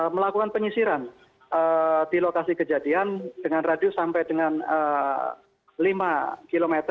melakukan penyisiran di lokasi kejadian dengan radius sampai dengan lima km